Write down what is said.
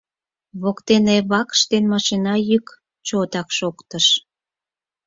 Воктене вакш ден машина йӱк чотак шоктыш.